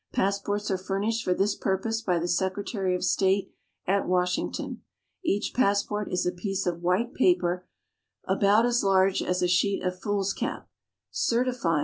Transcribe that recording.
Passports are furnished for this purpose by the Secre tary of State at Washington. Each passport is a piece of white paper about as large as a sheet of foolscap, certifying